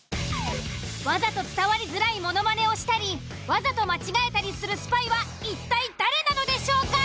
わざと伝わりづらいものまねをしたりわざと間違えたりするスパイは一体誰なのでしょうか！？